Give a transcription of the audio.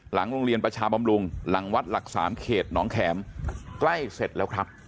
หลังโรงเรียนประชาบำรุงหลังวัดหลักสามเขตหนองแข็มใกล้เสร็จแล้วครับ